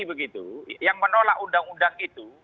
begitu yang menolak undang undang itu